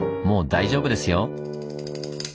もう大丈夫ですよ。